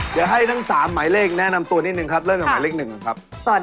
ทาง๓หมายเลขเลยครับ